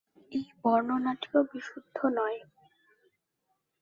এই বর্ণনাটিও বিশুদ্ধ নয়।